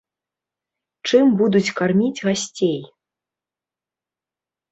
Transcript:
Чым будуць карміць гасцей?